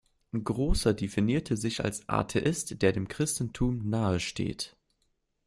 Grosser definierte sich als „Atheist, der dem Christentum nahe steht“.